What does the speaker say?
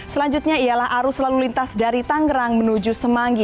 selanjutnya ialah arus lalu lintas dari tangerang menuju semanggi